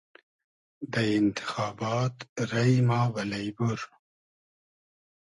دۂ اینتیخابات رݷ ما بئلݷ بور